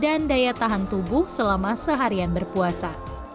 dan menjaga kebutuhan tubuh selama seharian berpuasa